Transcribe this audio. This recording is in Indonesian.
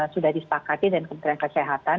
sudah disepakati dengan kementerian kesehatan